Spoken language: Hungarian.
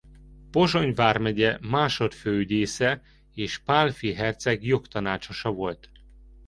Pozsony vármegye másod-főügyésze és Pálffy herceg jogtanácsosa volt.